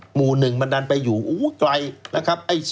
หมู่๑มันดันไปอยู่ไกลนะครับ